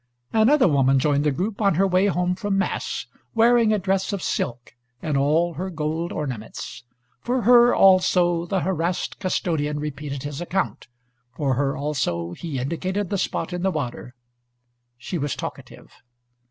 Another woman joined the group on her way home from mass, wearing a dress of silk and all her gold ornaments. For her also the harassed custodian repeated his account, for her also he indicated the spot in the water. She was talkative.